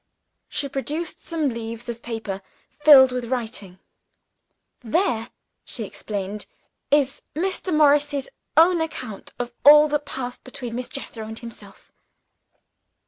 She produced some leaves of paper filled with writing. "There," she explained, "is Mr. Morris's own account of all that passed between Miss Jethro and himself."